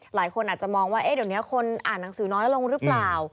หลายคนอาจจะมองว่าเดี๋ยวนี้คนอ่านหนังสือน้อยลงหรือเปล่า